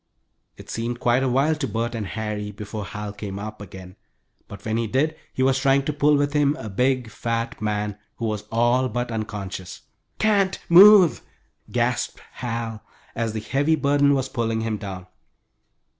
It seemed quite a while to Bert and Harry before Hal came up again, but when he did he was trying to pull with him a big, fat man, who was all but unconscious. "Can't move," gasped Hal, as the heavy burden was pulling him down.